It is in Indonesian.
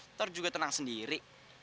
ntar juga tenang sendiri